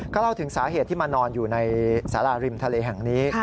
เล่าถึงสาเหตุที่มานอนอยู่ในสาราริมทะเลแห่งนี้